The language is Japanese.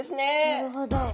なるほど。